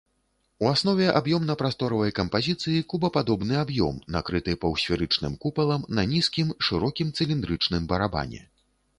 У аснове аб'ёмна-прасторавай кампазіцыі кубападобны аб'ём, накрыты паўсферычным купалам на нізкім, шырокім цыліндрычным барабане.